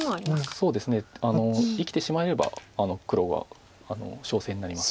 そうですね生きてしまえれば黒が勝勢になります。